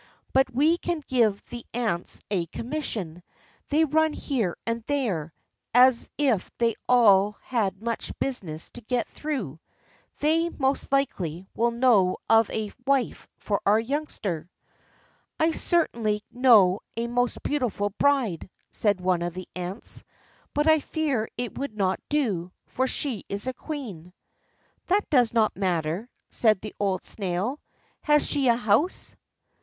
But we can give the ants a commission; they run here and there, as if they all had much business to get through. They, most likely, will know of a wife for our youngster." "I certainly know a most beautiful bride," said one of the ants; "but I fear it would not do, for she is a queen." "That does not matter," said the old snail. "Has she a house?"